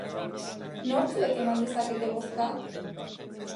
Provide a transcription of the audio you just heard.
Nortzuek eman dezakete bozka?